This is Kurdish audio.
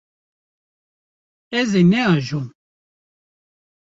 Ez ê neajom.